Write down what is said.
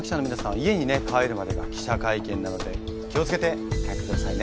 家にね帰るまでが記者会見なので気を付けて帰ってくださいね。